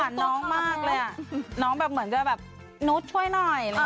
คุณส่วนน้องเหมือนจะเนอะส่วนช่วยหน่อย